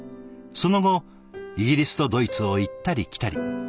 その後イギリスとドイツを行ったり来たり。